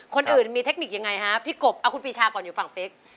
คนอื่นมีเทคนิคยังไงฮะพี่กบเอาคุณปีชาก่อนอยู่ฝั่งเป๊ก